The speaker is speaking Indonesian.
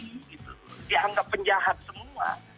dianggap penjahat semua